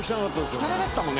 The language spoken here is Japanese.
「汚かったもんね